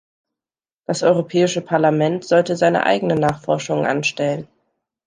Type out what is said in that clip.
Das Europäische Parlament sollte seine eigenen Nachforschungen anstellen.